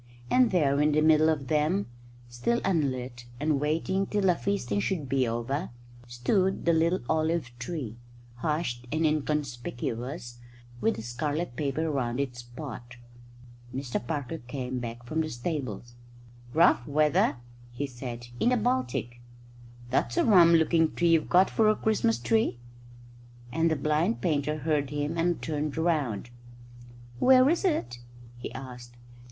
And there, in the middle of them, still unlit and waiting till the feasting should be over, stood the little olive tree, hushed and inconspicuous, with the scarlet paper round its pot. Mr Parker came back from the stables. "Rough weather," he said, "in the Baltic. That's a rum looking tree you've got for a Christmas tree," and the blind painter heard him and turned round. "Where is it?" he asked.